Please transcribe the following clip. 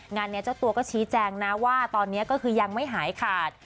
งานนี้เจ้าตัวก็ชี้แจงนะว่าตอนนี้ก็คือยังไม่หายขาด